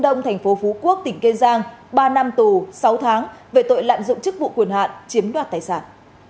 đàn ông thành phố phú quốc tỉnh cây giang ba năm tù sáu tháng về tội lạm dụng chức vụ quyền hạn chiếm đoạt tài sản